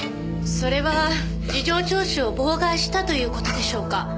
それは事情聴取を妨害したという事でしょうか？